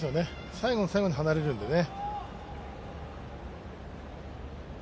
最後の最後に離れるんでね。